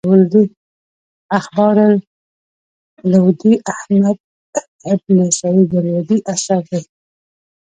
اخبار اللودي احمد بن سعيد الودي اثر دﺉ.